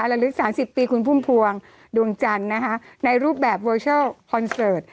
ละลึก๓๐ปีคุณพุ่มพวงดวงจันทร์ในรูปแบบโวชัลคอนเสิร์ต